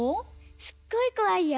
すっごい怖いよ。